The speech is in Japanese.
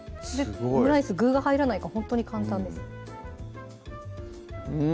オムライス具が入らないからほんとに簡単ですうん